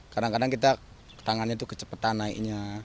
kadang kadang kita tangannya itu kecepatan naiknya